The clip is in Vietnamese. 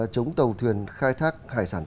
chống tàu thuyền khai thác hải sản